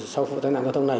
sau vụ tai nạn giao thông này